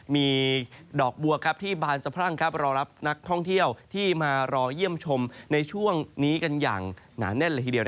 มีดอกบัวครับที่บานสะพรั่งครับรอรับนักท่องเที่ยวที่มารอเยี่ยมชมในช่วงนี้กันอย่างหนาแน่นเลยทีเดียว